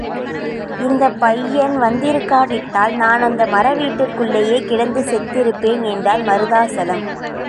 இந்தப் பையன் வந்திருக்காவிட்டால் நான் அந்த மர வீட்டிற்குள்ளேயே கிடந்து செத்திருப்பேன் என்றான் மருதாசலம்.